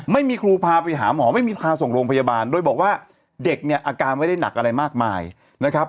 ไม่มีครูพาไปหาหมอไม่มีพาส่งโรงพยาบาลโดยบอกว่าเด็กเนี่ยอาการไม่ได้หนักอะไรมากมายนะครับ